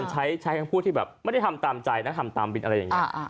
ใช้คำพูดที่แบบไม่ได้ทำตามใจนะทำตามบินอะไรอย่างนี้